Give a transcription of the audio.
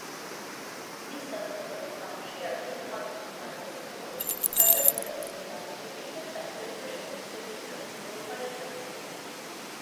მის საცხოვრებელ სახლში არის მხატვრის სახელოსნო, სადაც ხელოვნის არქივი და საინტერესო შემოქმედებითი მემკვიდრეობა ინახება.